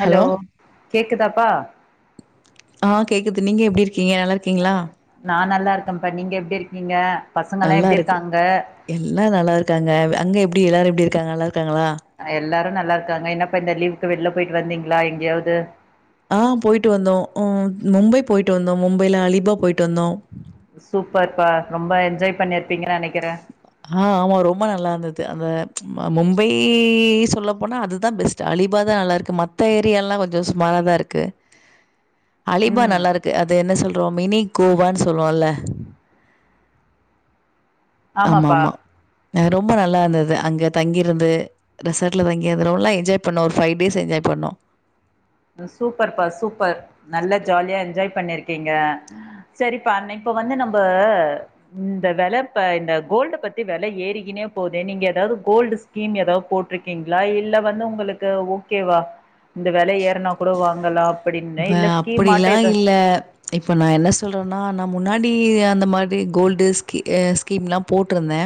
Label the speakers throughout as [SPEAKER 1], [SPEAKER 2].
[SPEAKER 1] Hello கேக்குதாப்பா
[SPEAKER 2] ஆ கேக்குது நீங்க எப்டி இருக்கீங்க நல்ல
[SPEAKER 1] நா நல்லா இருக்கேப்பா நீங்க எப்டி இருக்கீங்க பசங்கல்லா
[SPEAKER 2] நல்லா
[SPEAKER 1] எப்டி
[SPEAKER 2] இருக்கு
[SPEAKER 1] இருக்காங்க
[SPEAKER 2] எல்லா நல்லா இருக்காங்க அங்க எப்டி எல்லாரு எப்டி இருக்காங்க நல்லா இருக்காங்ளா
[SPEAKER 1] அ எல்லாரு நல்லா இருக்காங்க என்னப்ப இந்த லீவுக்கு வெளில போயிட்டு வந்தீங்களா எங்கயாவது
[SPEAKER 2] ஆ போயிட்டு வந்தோ உம் மும்பை வந்தோ மும்பைில அலிபா போயிட்டு வந்தோ
[SPEAKER 1] சூப்பர்ப்பா ரொம்ப என்ஜாய் பண்ணியிருப்பீங்கன் நெனைக்கிறே
[SPEAKER 2] ஆ ஆமா ரொம்ப நல்லா இருந்தது அந்த மும்பை சொல்ல போனா அதுதா பெஸ் ட் அலீபா தா நல்லா இருக்கு மத்த ஏரியால்லா கொஞ்சோ சுமாராதா இருக்கு அலீபா
[SPEAKER 1] ம்
[SPEAKER 2] நல்லா இருக்கு அது என்ன சொல்றோ மினி கோவான்னு சொல்லுவோல்ல
[SPEAKER 1] ஆமாப்பா
[SPEAKER 2] ஆமாம்மா ரொம்ப நல்லா இருந்தது அங்க தங்கிருந்து ரெசார்ட் தங்கிருந்தோ நல்லா என்ஜாய் பண்ணோ ஒருஃபைவ் டேஸ் என்ஜாய் பண்ணோ
[SPEAKER 1] சூப்பர் பா சூப்பர் நல்லா ஜாலியா என்ஜாய் பண்ணிருக்கீங்க சரிப்பா அனா இப்ப வந்து நம்ம இந்த வெலப்ப இந்த கோல்டு பத்தி வெல ஏறிக்கினே போதே நீங்க ஏதாவது கோல்டு ஸ்கீம் ஏதாவது போட்டிருக்கீங்களா இல்ல வந்து உங்களுக்கு ஓகேவா இந்த வெல ஏ த்தனா கூட வாங்கலா
[SPEAKER 2] வ
[SPEAKER 1] ஸ்கீமாட்ட
[SPEAKER 2] அப்படிலா
[SPEAKER 1] ஏதா
[SPEAKER 2] இல்ல இப்போ நா என்ன சொல்றேன்னா நா முன்னாடி அந்த மாரி கோல்டு ஸ்கீ ஸ்கீம்லா போட்ருந்தே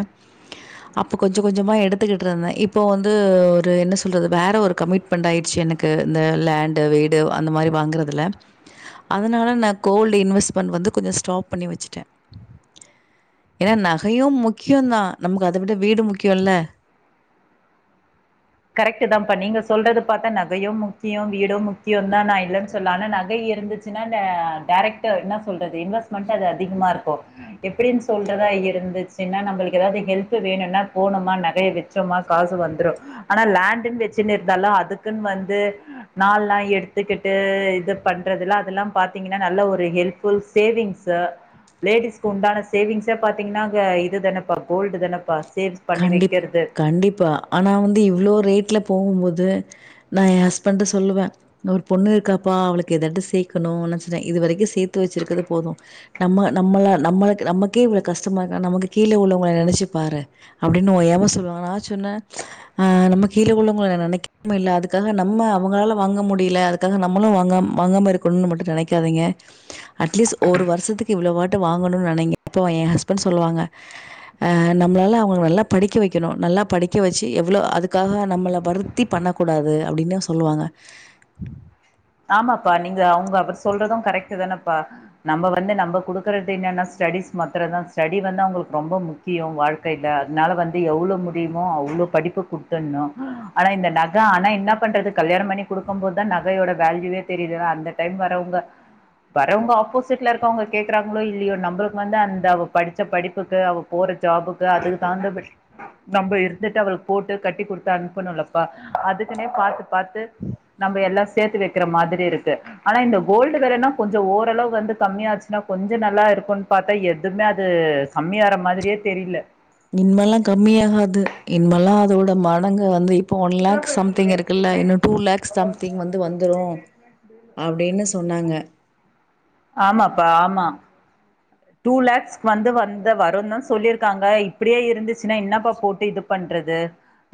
[SPEAKER 2] அப்போ கொஞ்ச கொஞ்சமா எடுத்துக்கிட்டு இருந்தே இப்போ வந்து ஒரு என்ன சொல்றது வேற ஒரு கமிட் மண்ட் ஆயிடுச்சு எனக்கு இந்த லேண்டு வீடு அந்த மாரி வாங்கறதுல அதனால நா கோஃல்டு இன்வெஸ்ட்மெண்ட் வந்து ஸ்டாப் பண்ணி வெச்சிட்டே ஏன்னா நகையு முக்கியந்தா நமக்கு அத விட வீடு முக்கியல்ல
[SPEAKER 1] கரெக்ட்டுதா பா நீங்க சொல்றது பாத்தா நகையு முக்கியோ வீடு முக்கியோ தா நா இல்லன்னு சொல்ல ஆனா நக ஏறு ச்சுன்னா டைரக்ட் என்ன சொல்றது இன்வெஸ்ட்மெண்ட் அது அதிகமா இருக்கு எப்டின்னு சொல்றதா இருந்துச்சுனா நம்ளுக்கு ஏதாவது ஹெல்ப் வேணுனா போனோமா நகய வெச் சும்மா காசு வந்துடு ஆனா லேண்டுன்னு வச்சுன்னு இருந்தாலு அதுக்குன்னு வந்து நாள்லா எடுத்துக்கிட்டு இது பண்றதுல அதெல்லா பாத்தீங்கன்னா நல்ல ஒரு ஹெல் ஃபுல் சேவிங்ஸு லேடிஸ்க்கு உண்டான சேவிங்ஸே பாத்தீங்கன்னா அங்க இது தானப்பா கோல்டு தானப்பா சேவ்
[SPEAKER 2] கண்டிப் கண்டிப்பா ஆனா வந்து இவ்ளோ ரேட்ல போவும்போது நா எ ஹஸ்பண்ட சொல்லுவ இன்னோர் பொண்ணு இருக்காப்பா அவளுக்கு எதாடு சேக்கணு நா சொன்ன இது வரைக்கு சேத்து வச்சிருக்கிறது போது நம்ம நம்மளா நம்மளு நமக்கே இவ்ளோ கஷ்டமா இருக்னா நமக்கு கீழ உள்ளவங்கள நெனச்சு பார அப்டின்னு எல் சொல்வா நா சொன்ன ஆ நம்ம கீழ உள்ளவங்க நனைக்கமே இல்ல அதுக்காக நம்ம அவுங்களால வாங்க முடியல அது க்காக நம்மளு வாங்க வாங்காமத இருக்கணுன் மட்டு நனைக்காதீங்க அட்லீஸ்ட் ஒரு வருஷத்துக்கு இவ்ளவாட்டு வாங்கணுன் நனைங்க அப்ப எ ஹஸ்பண்ட் சொல்லுவாங்க அ நம்பளால அவுங்க நல்லா படிக்க வைக்கணு நல்லா படிக்க வச்சு எவ்ளோ அதுக்காக நம்மள வருத்தி பண்ண கூடாது அப்டின்னு சொல்லுவாங்க
[SPEAKER 1] [inaudible] ஆமாப்பா நீங்க அவுங்க அவர் சொல்றது கரெக்ட்டு தானப்பா நம்ப வந்து நம்ப குடுக்கறது என்னன்னா ஸ்டடிஸ் மத்தர தா ஸ்டடி வந்து அவுங்களுக்கு ரொம்ப முக் முக்கிய வாழ்க்கையில அதனால வந்து எவ்ளோ முடியுமோ அவ்ளோ படிப்பு குடுத்தணு ஆனா இந்த நக ஆனா என்ன பண்றது கல்யாண பண்ணி குடுக்கு போதா நகையோட வேல்யுவே தெரியுது ஏன்னா அந்த டைம் வரவுங்க வறவுங்க ஆப்போசிட்ல இருக்கவுங்க கேக்குறாங்ளோ இல்லையோ நம்பளுக்கு வந்து அந்த அவ படிச்ச படிப்புக்கு அவ போற ஜாபுக்கு அதுக்கு தகுதந்படி நம்ம இருந்துட்டு அவளுக்கு போட்டு கட்டி குடுத்தா அனுப்புணும்லப்பா அதுக்குனே பாத்துபாத்து நம்ப எல்லா சேத்து வைக்கிற மாதிரிஇருக்கு ஆனா இந்த கோல்டு வெளனா கொஞ்ச ஓரளவு வந்து கம்மியாச்சுன்னா கொஞ்ச நல்லா இருக்குன்னு பாத்தா எதுவுமே அது கம்மி‌ஆற மாதிரியே தெரியல
[SPEAKER 2] இன்மேல்லா கம்மியாகாது இன்மேல்லா அதோட மடங்க வந்து இப்ப ஒன் லாக் சம்திங் இருக்குல்ல இன்னு டூ லாக் சம்திங் வந்து வந்துரு அப் அப்டின்னு சொன்னாங்க
[SPEAKER 1] ஆமாப்பா ஆமா டூ லாக்ஸ் வந்து வந்த வரு தா சொல்லியிருக்காங்க இப்டியே இருந்துச்சுன்னா என்னப்பா போட்டு இது பண்றது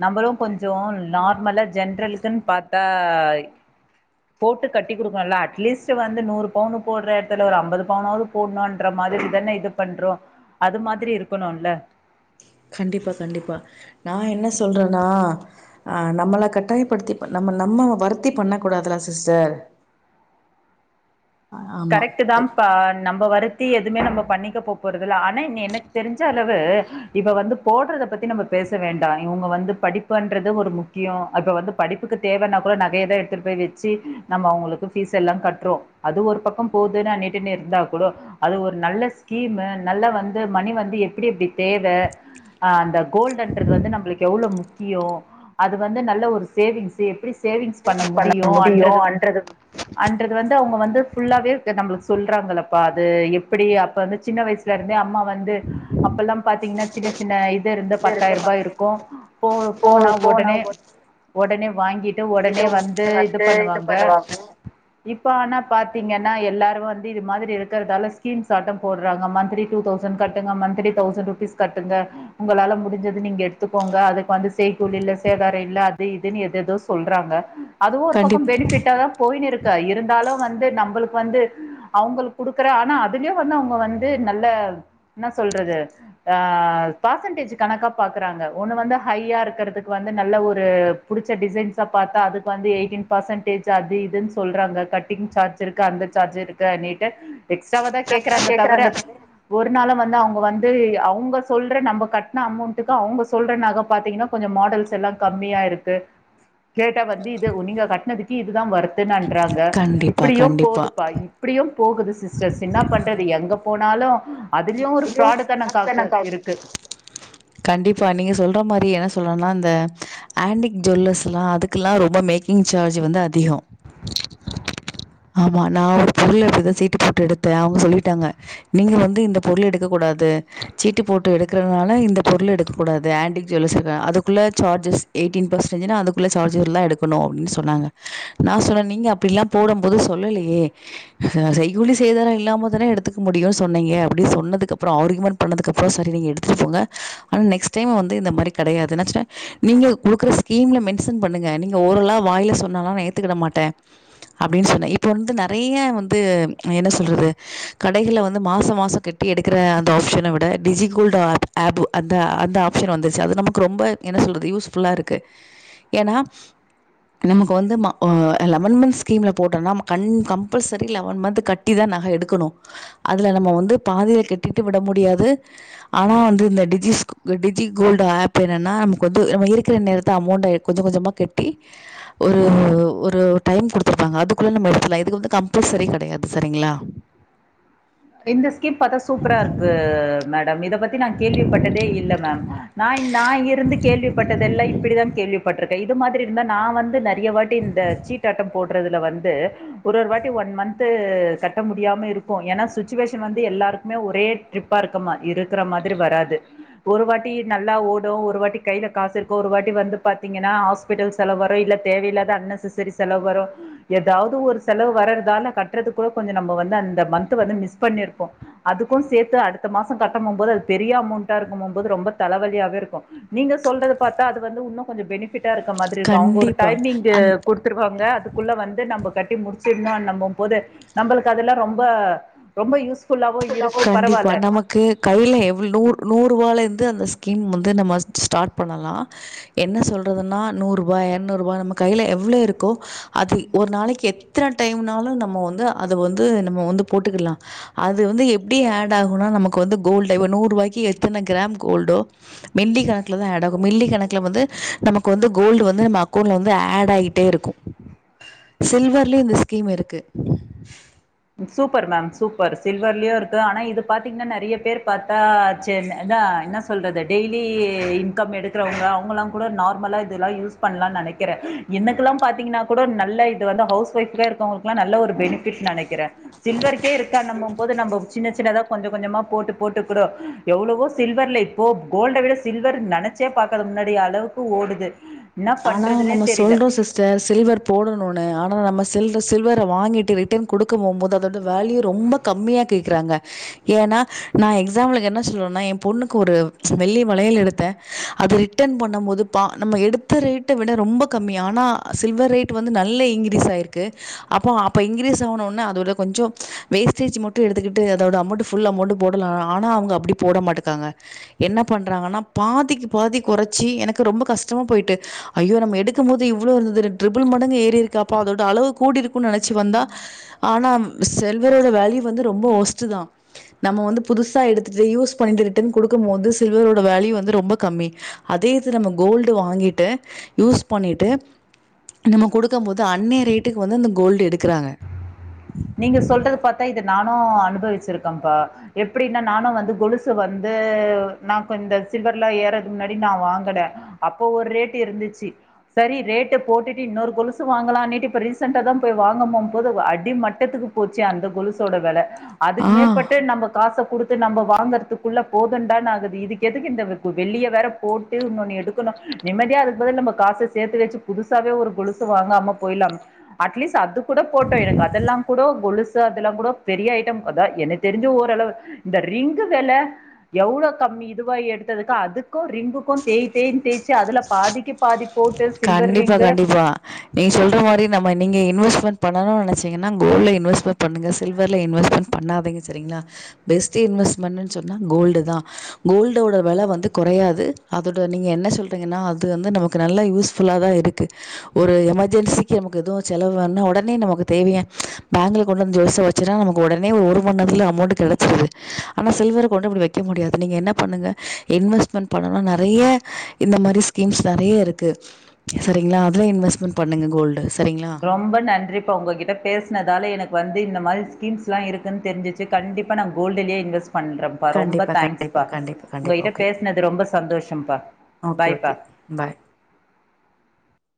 [SPEAKER 1] நம்பலு கொஞ்சோ நார்மலா ஜென்ரலுக்குன் பாத்தா போட்டு கட்டி குடுக்கணுல அட்லீஸ்ட்டு வந்து நூறு பவுனு போடுற எடத்துல ஒரு அம்பது பவுனாவது போட்ணுன் ற மாரி தான இது பண்றோ அது மாரி இருக்கணுல்ல
[SPEAKER 2] கண்டிப்பா கண்டிப்பா நா என்ன சொல்றன்னா ஆ நம்மள கட்டாயப்படுத்தி நம்ம நம்ம வருத்தி பண்ண கூடாதுல சிஸ்டர் ஆமா.
[SPEAKER 1] கரெக்ட்டு தாப்பா நம்ப வருத் தி எதுவுமே நம்ம பண்ணிக்க போ போறதுல்ல ஆனா எனக்கு தெரிஞ்ச அளவு இப்ப வந்து போட்றத பத்தி நம்ம பேச வேண்டா இவுங்க வந்து படிப்புன்றது ஒரு முக்கியோ அப்ப வந்து படிப்புக்கு தேவனா கூட நகையதா எடுத்துட்டு போய் வச்சு நம்ம அவுங்களுக்கு ஃபீஸ் எல்லா கட்றோ அது ஒரு பக் கோ போதுன் அ நீட்டினு இருந்தா கூடு அது ஒரு நல்ல ஸ்கீமு நல்ல வந்து மணி வந்து எப்டி எப்டி தேவ அ அந்த கோல்டன்றது வந்து நம்பளுக்கு எவ்ளோ முக்கியோ அது வந்து நல்ல ஒரு சேவிங்ஸ்ஸு எப்டி சேவிங்ஸ் பண்ண முடியு அன்றது அன்றது வந்து அவுங்க வந்து ஃபுல்லாவே நம்மளுக்கு சொல்றாங்களப்பா அது எப்டி அப்ப வந்து சின்ன வயசு வீட்ல இருந்து அம்மா வந்து அப்பெல்லாம் பாத்தீங்கன்னா சின்ன சின்ன இது இருந்து பத்தாயிர ரூபா‌யிருக்கும் போ போன
[SPEAKER 2] போனா
[SPEAKER 1] ஒடனே
[SPEAKER 2] ஒரு
[SPEAKER 1] ஒடனே வாங்கிட்டு ஒடனே வந்து இது பண்ணுவாங்க இப்ப அனா பாத்து த்தீங்கனா எல்லாரும் வந்து இத மாதிரி இருக்கறதால ஸ்கீம்ஸ் அட்ட போடுறாங்க மந்தி டூ தௌசண்ட் கட்டுங்க மந்தலி தௌசண்ட் ரூ பீஸ் கட்டுங்க உங்களால முடிஞ்சது நீங்க எடுத்துக்கோங்க அதுக்கு வந்து செய்கூலி இல்ல சேதாரம் இல்ல அது இதுன்னு எத ஏதோ சொல் சொல்றாங்க அதுவும் ஒரு பக்கம்
[SPEAKER 2] கண்டிப்
[SPEAKER 1] பெனிஃபிட்டா தான் போயினு இருக்கு இருந்தாலும் வந்து நம்ப அவுங்களுக்கு வந்து அவுங்களுக்கு குடுக்குற ஆனா அதுலயும் வந்து அவுங்க வந்து நல்ல என்ன சொல்றது ஆ பர்சன்டேஜ் கணக்கா பாக்குறாங்க ஒண்ணு வந்து ஹையா இருக்குறதுக்கு வந்து நல்ல ஒரு புடிச்ச டிசைன்ஸா பாத்தா அதுக்கு வந்து எயிட்டீன் பர்சன்டேஜ் அது இதுன்னு சொல்றாங்க கட்டிங் சார்ஜ் இருக்கு அந்த சார்ஜ் இருக்கு அப்டின்ட்டு எக்ஸ்ட்ராவ தான்
[SPEAKER 2] கரெக்டா
[SPEAKER 1] கேக்குறாங்க தவுர
[SPEAKER 2] தோழி
[SPEAKER 1] ஒரு நாளும் வந்து அவுங்க வந்து அவுங்க சொல்ற நம்மங கட்ன அமௌண்ட்டுக்கு அவுங்க சொல்ற நக பாத்தீங்ன்னா கொஞ்சோம் மாடல்ஸ் எல்லாம் கம்மியா இருக்கு கேட்டா வந்து இது நீங்க கட்டினதுக்கு இதுதான் வருத்துன்ன ங்குறாங்க
[SPEAKER 2] கண்டிப்பா
[SPEAKER 1] இப்புடியும்
[SPEAKER 2] கண்டிப்பா
[SPEAKER 1] போதுப்பா இப்புடியும் போகுது சிஸ்டர்ஸ் இன்னா பண்றது எங்க போனாலும் அதுலயும் ஒரு
[SPEAKER 2] இதுவு
[SPEAKER 1] ஃபிராடு தனம் காக்கு
[SPEAKER 2] தானக்கா
[SPEAKER 1] இருக்கு
[SPEAKER 2] கண்டிப்பா நீங்க சொல்ற மாரி என்ன சொல்லறனா அந்த ஆண்டிக் ஜுவல்லர்ஸ்லாம் அதுக்குல்லாம் ரொம்ப மேக்கிங் சார்ஜ் வந்து அதிகோம்
[SPEAKER 1] [inaudible]
[SPEAKER 2] ஆமா நா ஒரு பொருள எடுத்த சீட்டு போட்டு எடுத்தேன் அவுங்க சொல்லிட்டாங்க நீங்க வந்து இந்தப் பொருள் எடுக்கக் கூடாது சீட்டு போட்டு எடுக்கறதுனால இந்த பொருள் எடுக்க கூடாது ஆண்டிக் ஜுவல்லஸ் அதுக்குள்ள சார்ஜஸ் எயிட்டீன் பெர்சன்டேஜ்ன்னா அதுக்குள்ள சார்ஜ்ஜர்லா எடுக்கணும் அப்டின்னு சொன்னாங்க நா சொன்ன நீங்க அப்டிலாம் போடும் போது சொல்லலீயே செய்கூலி சேதார இல்லாம தான எடுத்துக்க முடியுச சொன்னீங்க அப்புடி சொன்னதுக்கப்புறோம் ஆர்கியுமெண்ட் பண்ணதுக்கப்புறோம் சரி நீங்க எடுத்துக்கோங்க ஆனா நெக்ஸ்ங டைம் வந்து இந்த மாரி கடையாது நாச்சோன்ன நீங்க கொடுக்குற ஸ்கீம்ல மென்ஷன் பண்ணுங்க நீங்க ஓரல்லா வாயில சொன்னாலா நா ஏத்துக்கிட மாட்டேன் அப்டின்னு சொன்னேன் இப்ப வந்து நறைய வந்து என்ன சொல்றது கடைகள்ல வந்து மாசோ மாசோம் கட்டி எடுக்குற அந்த ஆப்ஷன விட டிஜி கோல்டு ஆப் ஆப்பு அந்த அந்த ஆப்ஷன் வந்துச்சு அது நமக்கு ரொம்ப என்ன சொல்றது யூஸ்ஃபுல்லா இருக்கு ஏன்னா நமக்கு வந்து ம லெவன் மந்த் ஸ்கீம்ல போட்டோம்னா கண் கம்பல்சரி லெவன் மந்த் கட் இதான் நக எடுக்குணு அதுல நம்ப வந்து பாதியில கட்டிட்டு விட முடியாது ஆனா வந்து இந்த டிஜிஸ் டிஜி கோல்டு ஆப் என்னென்னா நமக்கு வந்து நம்ம இருக்கிற நேரத்த அமௌண்டா எடு கொஞ்ச கொஞ்சமா கெட்டி ஒரு ஒரு டைம் குடுத்துருப்பாங்க அதுக்குள்ள நம்ம எடுத்துலாம் இது வந்து கம்பல்சரி கெடையாது சரிங்ளா
[SPEAKER 1] இந்த ஸ்கீம் பத்தா சூப்பரா இருக்கு மேடம் இத பத்தி நா கேள்வி பட்டதே இல்ல மேம் நா நா இருந்து கேள்விப்பட்டதெல்லாம் இப்புடிதா கேள்விப்பட்ரு இது மாதிரி இருந்தா நா வந்து நறைய வாட்டி இந்த சீடாட்டம் போட் றதுல்ல வந்து ஒரு ஒரு வாட்டி ஒன் மந்த் கட்ட முடியாம இருக்கும் ஏனா சுச் சிசுவேஷன் வந்து எல்லாருக்குமே ஒரே ட்ரிப்பா இருக்குமா இருக்குற மாதிரி வராது ஒரு வாட்டி நல்லா ஓடும் ஒரு வாட்டி கையில காசு இருக்கும் ஒரு வாட்டி வந்து பாத்தீங்கன்னா ஆஸ் பிடல் செலவு வரும் இல்ல தேவயில்லாத அன்னெஸசரிஸ் செலவு வரும் ஏதாவது ஒரு செலவு வரதுதால கட்றதுக்கு கூட கொஞ்சோம் நம்ம வந்து அந்த மந்த் வந்து மிஸ் பண்ணிருப்போம் அதுக்கோம் சேத்து அடுத்த மாசோம் கட்ட போமோது அது பெரிய அமௌண்டா இருக்கும் போமோது ரொம்ப தலவலியாவே இருக்கும் நீங்க சொல்றது பாத்தா அது வந்து உன்னும் கொஞ்சோம் பெனிஃபிட்டா இருக்க மாதிரி இருக்கும் அவுங்க ஒரு
[SPEAKER 2] கண்டிப்பா
[SPEAKER 1] டைமிங்க
[SPEAKER 2] அந்
[SPEAKER 1] குடுத் வந்துருவாங்க அதுக்குள்ள வந்து நம்ம கட்டி முடிச்சிர்ணுங்கம் போது நம்மளுக்கு அதெல்லா ரொம்ப ரொம்ப யூஸ் ஃபுல்லாவு இருக்கு பரவால்ல
[SPEAKER 2] க்கு கைல எவ்ளோ நூறு நூறுவாலருந்து அந்த ஸ்கீம் வந்து நம்ம ஸ்டாட் பண்ணலா என்ன சொல்றதுன்னா நூறு ரூபா ஏரநூறுபா நம்ம கைல எவ்ளோ இருக்கோ அது ஒரு நாளைக்கி எத்தன டைம்னாலு வந்து அதை வந்து நம்ம வந்து போட்டுக்கலா அது வந்து எப்டி ஆட் ஆகும்னா நமக்கு வந்து கோல்டு இப்போ நூறு வாய்க்கு எத்தன கிராம் கோல்டோ மில்லி கணக்குல தா ஆட் ஆகு மில்லி கணக்கில வந்து நமக்கு வந்து கோல்டு வந்து நம்ம அக்கௌண்ட்ல வந்து ஆட் ஆகிட்டே இருக்கும் சில்வர்லே இந்த ஸ்கிம் இருக்கு
[SPEAKER 1] சூப்பர் மேம் சூப்பர் சில்வர்லயு இருக்கு ஆனா இது பாத்தீங்கன்னா நிறைய பேர் பாத்தா ஜெம் என்ன சொல்றது டெய்லி இன்கம் எடுக்கறவுங்க அவங்கலா கூட நார்மலா இதெல்லா யூஸ் பண்ணலாம்னு நெனைக்கிறே என்னக்குல்லா பாத்தீங்கன்னா கூட நல்ல இது வந்து ஹவுஸ் ஒய்ஃப்கே இருக்கவங்களுக் கெல்லா நல்ல ஒரு பெனிபிட் நெனைக்கிறே சில்வருக்கே இருக்கானம் போது நம்ம சின்ன சின்னதா கொஞ்ச கொஞ்சமா போட்டு போட்டுக்றோ எவ்ளவோ சில்வர்ல இப்போ கோல்ட விட சில்வர் நெனைச்சே பாக்காத முன்னாடி அளவுக்கு ஓடுது என்ன
[SPEAKER 2] ஆனா
[SPEAKER 1] பண்றதுனே
[SPEAKER 2] நம்ம
[SPEAKER 1] தெரில
[SPEAKER 2] சொல்றோ சிஸ் ச சில்வர் போடணுன்ணு ஆனா நம்ம சில் சில்வரை வாங்கிட்டு ரிட்டர்ன் குடுக்கப் போம்போது அதோட வேல்யு ரொம்ப கம்மியா கேக்குறாங்க ஏன்னா நா எக்ஸாம்பிளுக்கு என்ன சொல்ரேனா ஏ பொண்ணுக்கு ஒரு வெள்ளி மளையல் எடுத்தே அது ரிட்டன் பண்ணு போது பா நம்ம எடுத் த ரேட்ட விட ரொம்ப கம்மி ஆனா சில்வர் ரேட் வந்து நல்லா இன்க்ரீஸ் ஆகிருக்கு அப்ப அப்ப இன்கிரீஸ் ஆனவுட அதோட கொஞ்சோ வேஸ்டேஜ் மட்டு எடுத்துக்கிட்டு அதோட அமௌண்ட் ஃபுல் அமௌண்ட் போடலா ஆனா அவங்க அப்டி போட மாட்டுக்காங்க என்ன பண்றாங்கன்னா பாதிக்கு பாதி குறைச்சி எனக்கு ரொம்ப கஷ்டமா போயிட்டு ஐயோ நம்ம எடுக்கும்போது இவ்வளவு இருந்துது ட்ரிபிள் மடங்கு ஏறி இருக்கு அப்போ அதோட அளவு கூடி இருக்குன்னு நினைச்சு வந்தா ஆனா செல்வரோட வேல்யூ வந்து ரொம்ப ஒஸ்ட்டு தா நம்ம வந்து புதுசா எடுத்துட்டு யூஸ் பண்ணிட்டு ரிட்டர்ன் கொடுக்கு போது சில்வர்ரோட வேல்யூ வந்து ரொம்ப கம்மி அதே இது நம்ம கோல்டு வாங்கிட்டு யூஸ் பண்ணிட்டு நம்ம கொடுக்கம் போது அன்னைய ரேட்டுக்கு வந்து இந்த கோல்டு எடுக்கிறாங்க
[SPEAKER 1] நீங்க சொல்றது பாத்தா இத நானு அனுபவிச்சிருக்கேன்ப்பா எப்டின்னா நானு வந்து கொலுசு வந்து நா கொஞ்சோ இந்த சில்வர்லா ஏறதுக்கு முன்னாடி நா வாங்குனே அப்போ ஒரு ரேட்டு் இருந்துச்சு சேரி ரேட்டை போட்டுட்டு இன்னொரு கொலுசு வாங்கலானுட்டு இப்ப ரீசெண்ட்டா தா போய் வாங்க போம் போது அடிமட் டத்துக்கு போச்சு அந்த கொலுசோட வெல அதுக்கு
[SPEAKER 2] ஆ
[SPEAKER 1] மேற்பட்டு நம்ம காச கொடுத்து நம்ம வாங்கறதுக்குள்ள போதுண்டான் ஆகுது இதுக்கு எதுக்கு இந்த வெள்ளிய வேற போ ட்டு இன்னோனு எடுக்கணு நிம்மதியா இருக்கம் போதே நம்ம காச சேர்த்து வச்சு புதுசாவே ஒரு கொலுசு வாங்காம போய்ர்லாம் அட்லீஸ்ட் அது கூட போட்டு எனக்கு அதல்லாம் இப்போ கொலுசு அதெல்லா கூட பெரிய ஐட்டோ அதா எனக்கு தெரிஞ்சு ஓரளவு இந்த ரிங்கு வில எவ்ளோ கம்மி இதுவா எடுத்ததுக்கு அதுக்கும் ரிங்குக்கு தேய் தேய்ன் தேய்ச்சு அதுல பாதிக்கு பாதி போட்டு சில்வர் ரிங்கு
[SPEAKER 2] நீங் சொல்ற மாரி நம்ம நீங்க இன்வெஸ்மெட் பண்ணணு நினைச்சீன்ன கோல்ட்ல இன்வெஸ்மெட் பண்ணுங்க சில்வர்ல்ல இன்வெட்மெண்ட் பண்ணாதிங்க சேரிங்களா பெஸ்ட்டு இன்வெஸ்ட்மெண்டு சொன்னா கோல்டு தா கோல்டோட வெல வந்து குறையாது அதோட நீங்க என்ன சொல்றீங்கன்னா அது வந்து நமக்கு நல்லா யூஸ் ஃபுல்லா தா இருக்கு ஒரு எமர்ஜென்சிக்கு நமக்கு எதோ செலவு வேண்ணா உடனே நமக்கு தேவைய பேங்க்ல கொண்டு வந்து ஜொல்ஸ் அ வச்சு வச்சனா உடனே ஒரு மணிநேத்துல அமௌண்ட் கிடைச்சிருது ஆனா சில்வர் கொண்டு இப்படி வைக்க முடியாது நீங்க என்ன பண்ணுங்க இண்வஸ்மண்ட் பண்ணலா நறைய இந்த மாரி ஸ்கீம்ஸ் நறைய இருக்கு சரிங்களா அதுல இன்வெஸ்ட்மெண்ட் பண்ணுங்க கோல்டு சரிங்களா
[SPEAKER 1] ரொம்ப நன்றி இப்ப உங்ககிட்ட பேசினதால எனக்கு வந்து இந்த மாரி ஸ்கீம்ஸ் எல்லா இருக்குன்னு தெரிஞ்சிச்சு கண்டிப்பா நா கோல்ட்லயே இன்வஸ்ட் பண்றே பா ரொம்ப
[SPEAKER 2] கண்டிப்பா
[SPEAKER 1] தேங்க்ஸ்
[SPEAKER 2] கண்டிப்பா
[SPEAKER 1] பா
[SPEAKER 2] கண்டிப்பா கண்டிப்பா
[SPEAKER 1] உங்ககிட்ட
[SPEAKER 2] ஓகே
[SPEAKER 1] பேசுனது ரொம்ப சந்தோஷம் பா
[SPEAKER 2] ஓகே
[SPEAKER 1] பாய் பா
[SPEAKER 2] ஓகே பாய்